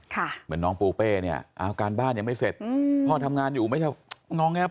เหมือนน้องปูเป้เนี่ยอ้าวการบ้านยังไม่เสร็จพ่อทำงานอยู่ไหมเนี่ย